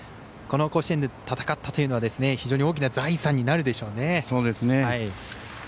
この甲子園で戦ったというのは非常に大きな財産になるでしょうね。